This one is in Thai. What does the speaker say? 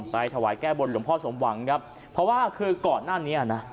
ถวายแก้บนหลวงพ่อสมหวังครับเพราะว่าคือก่อนหน้านี้นะ